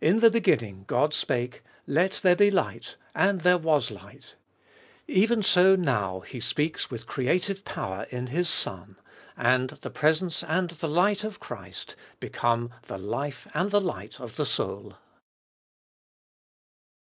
In the beginning God spake :" Let there be light! and there was light." Even so now He speaks with creative power in His Son, and the presence and the light of Christ become the life and the light of the soul.